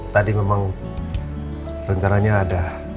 tadi memang rencananya ada